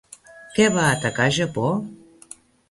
Què va atacar Japó?